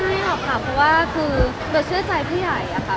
ไม่หรอกค่ะเพราะว่าคือเบลเชื่อใจผู้ใหญ่อะค่ะ